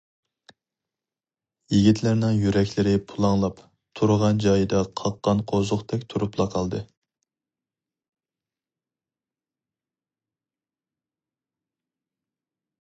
يىگىتلەرنىڭ يۈرەكلىرى پۇلاڭلاپ، تۇرغان جايىدا قاققان قوزۇقتەك تۇرۇپلا قالدى.